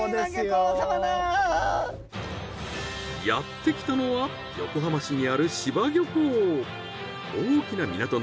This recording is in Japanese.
やってきたのは横浜市にある柴漁港。